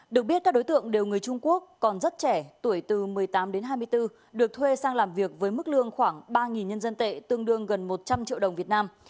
được biết các đối tượng đều người trung quốc còn rất trẻ tuổi từ một mươi tám đến hai mươi bốn được thuê sang làm việc với mức lương khoảng ba nhân dân tệ tương đương gần một trăm linh triệu đồng việt nam